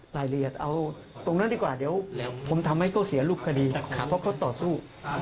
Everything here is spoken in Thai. รายละเอียดเอาตรงนั้นดีกว่าเดี๋ยวผมทำให้เขาเสียรูปคดีเพราะเขาต่อสู้